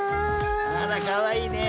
あらかわいいね。